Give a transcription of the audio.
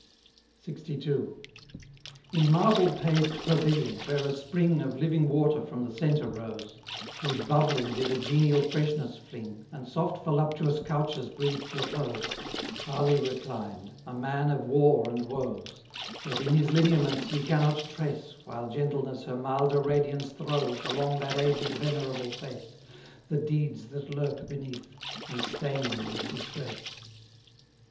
LXII. In marble paved pavilion, where a spring Of living water from the centre rose, Whose bubbling did a genial freshness fling, And soft voluptuous couches breathed repose, Ali reclined, a man of war and woes: Yet in his lineaments ye cannot trace, While Gentleness her milder radiance throws Along that aged venerable face, The deeds that lurk beneath, and stain him with disgrace.